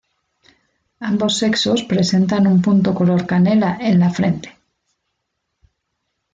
Ambos sexos presentan un punto color canela en la frente.